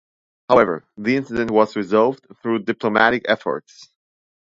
However, the incident was resolved through diplomatic efforts.